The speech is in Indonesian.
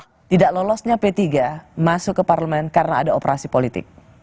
karena lelosnya p tiga masuk ke parlemen karena ada operasi politik